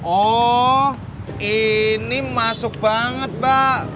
oh ini masuk banget pak